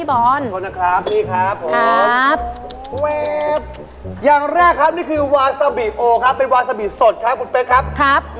บอลโทษนะครับพี่ครับผมครับเวฟอย่างแรกครับนี่คือวาซาบิโอครับเป็นวาซาบิสดครับคุณเป๊กครับครับ